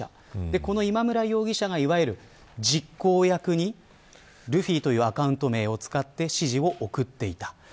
この今村容疑者がいわゆる実行役にルフィというアカウント名を使って、指示を送っていた。